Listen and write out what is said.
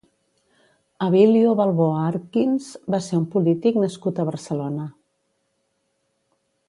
Abilio Balboa Arkins va ser un polític nascut a Barcelona.